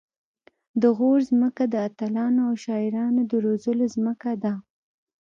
د غور ځمکه د اتلانو او شاعرانو د روزلو ځمکه ده